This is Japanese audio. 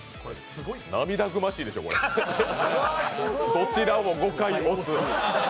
涙ぐましいでしょ、「どちらも５回押す」。